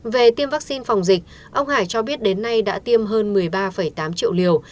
về tiêm vaccine phòng dịch ông hải cho biết đến nay đã tiêm hơn một mươi ba tám triệu liều